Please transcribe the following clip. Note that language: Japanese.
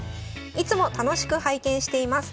「いつも楽しく拝見しています。